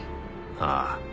ああ。